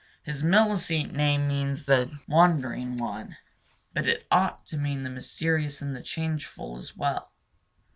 His Milicete name means The Wandering One, but it ought to mean the Mysterious and the Changeful as well.